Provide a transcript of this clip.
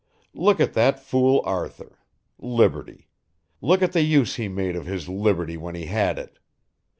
Look at that fool Arthur, liberty! Look at the use he made of his liberty when he had it.